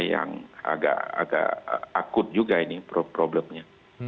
yang agak akut juga ini problemnya